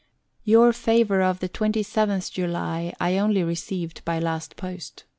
Your favour of the 27th July I only received by last post.